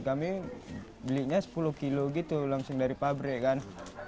kami belinya sepuluh kilo gitu langsung dari pabrik kan